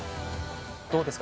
どうですか？